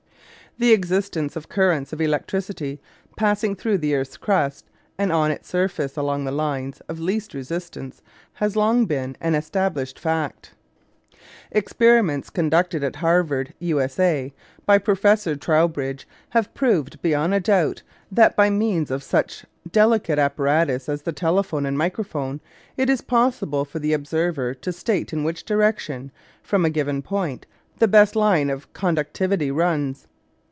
The existence of currents of electricity passing through the earth's crust and on its surface along the lines of least resistance has long been an established fact. Experiments conducted at Harvard, U.S.A., by Professor Trowbridge have proved beyond a doubt that, by means of such delicate apparatus as the telephone and microphone, it is possible for the observer to state in which direction, from a given point, the best line of conductivity runs.